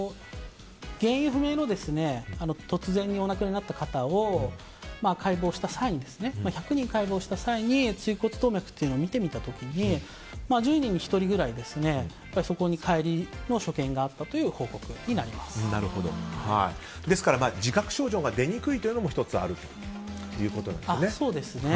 原因不明の突然お亡くなりになった方を１００人解剖した際に椎骨動脈というのを見てみた時に１０人に１人ぐらいそこに解離の所見があったというですから、自覚症状が出にくいというのも１つあるということなんですね。